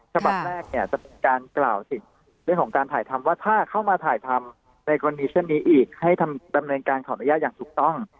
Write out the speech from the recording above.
ฉบับแรกเนี่ยจะเป็นการกล่าวถึงเรื่องของการถ่ายทำว่าถ้าเข้ามาถ่ายทำในกรณีเช่นนี้อีกให้ดำเนินการขออนุญาตอย่างถูกต้อง